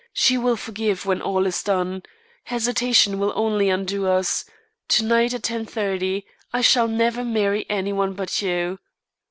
She will forgive when all is done. Hesitation will only undo us. To night at 10:30. I shall never marry any one but you."